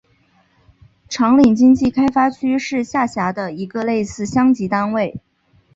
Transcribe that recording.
长岭经济开发区是下辖的一个类似乡级单位。